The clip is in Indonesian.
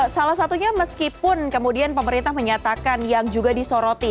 salah satunya meskipun kemudian pemerintah menyatakan yang juga disoroti